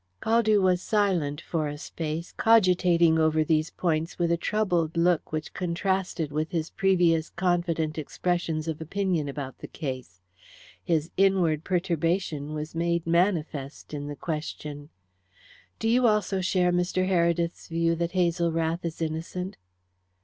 Caldew was silent for a space, cogitating over these points with a troubled look which contrasted with his previous confident expressions of opinion about the case. His inward perturbation was made manifest in the question: "Do you also share Mr. Heredith's view that Hazel Rath is innocent?"